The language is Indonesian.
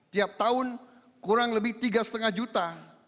tiap tahun kurang lebih tiga lima juta